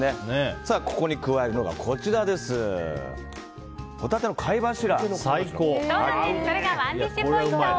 ここに加えるのがホタテの貝柱。